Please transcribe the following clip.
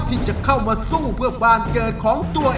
ที่จะเข้ามาสู้เพื่อบ้านเกิดของตัวเอง